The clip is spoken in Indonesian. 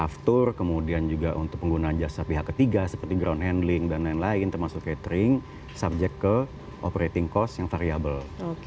aftur kemudian juga untuk penggunaan jasa pihak ketiga seperti ground handling dan lain lain termasuk catering subject ke operating cost yang variable